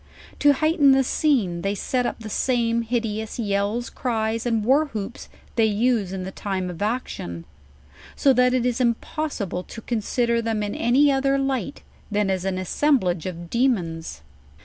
To hightcn the scene, they set up the same hideous yells, cries, and war hoops they use in the time of action: so that it is impossible to consider them in any other light than as an assemblage of demons.